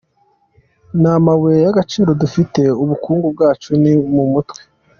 Nta mabuye y’agaciro dufite, ubukungu bwacu ni mu mutwe.